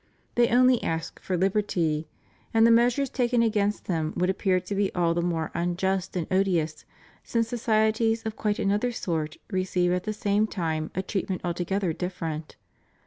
They only ask for liberty, and the measures taken against them would appear to be all the more unjust and odious since societies of quite another sort receive at the same time a treatment altogether different.